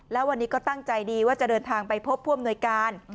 แล้ววันนี้ก็ตั้งใจดีว่าจะเดินทางไปพบผู้อำนวยการ